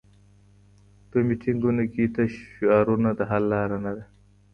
په میټینګونو کي تش شعارونه د حل لاره نه ده.